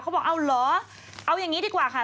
เขาบอกเอาเหรอเอายังงี้ดีกว่าค่ะ